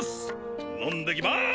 飲んできます！